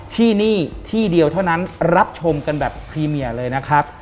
ที่นี่ที่เดียวเท่านั้นรับชมกันแบบพรีเมียเลยนะครับ